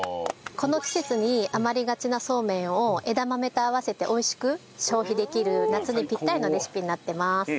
この季節に余りがちなそうめんを枝豆と合わせて美味しく消費できる夏にぴったりのレシピになってます。